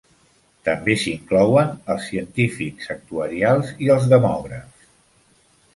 També s'hi inclouen els científics actuarials i els demògrafs.